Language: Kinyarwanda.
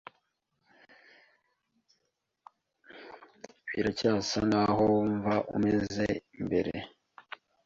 Biracyasa nkaho wumva umeze imbere;